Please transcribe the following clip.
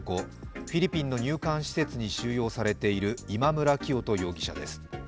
フィリピンの入管施設に収容されている今村磨人容疑者です。